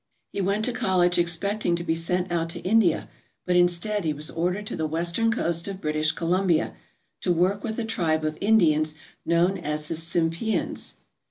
He went to college expecting to be sent out to India, but instead he was ordered to the western coast of British Columbia to work with a tribe of Indians known as the Tsimpeans.